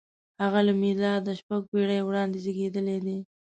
• هغه له مېلاده شپږ پېړۍ وړاندې زېږېدلی دی.